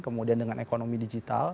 kemudian dengan ekonomi digital